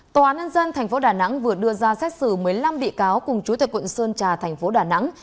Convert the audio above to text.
tòa án ân dân tp đà nẵng vừa đưa ra xét xử một mươi năm bị cáo cùng chủ tịch quận sơn trà tp đà nẵng